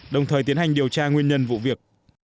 đồng thời tiến hành điều tra nguyên nhân vụ việc